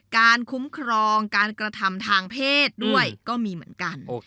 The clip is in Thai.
การคุ้มครองการกระทำทางเพศด้วยก็มีเหมือนกัน